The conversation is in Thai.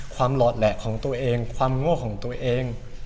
หลอดแหละของตัวเองความโง่ของตัวเอง